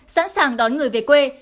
sẵn sàng đón người về quê